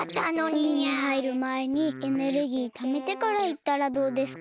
うみにはいるまえにエネルギーためてからいったらどうですか？